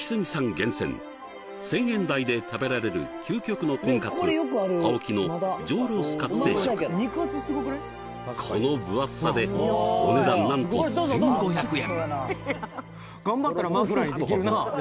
厳選１０００円台で食べられる究極のとんかつ檍のこの分厚さでお値段なんと１５００円